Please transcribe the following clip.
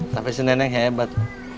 tapi si nenek hebat